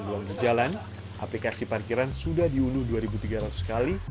sebelum berjalan aplikasi parkiran sudah diunduh dua tiga ratus kali